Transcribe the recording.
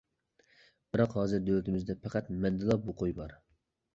بىراق ھازىر دۆلىتىمىزدە پەقەت مەندىلا بۇ قوي بار.